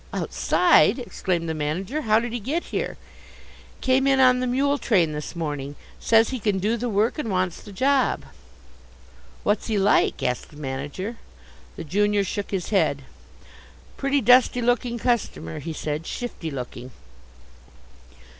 "Outside?" exclaimed the manager. "How did he get here?" "Came in on the mule train this morning: says he can do the work and wants the job." "What's he like?" asked the manager. The junior shook his head. "Pretty dusty looking customer," he said. "Shifty looking."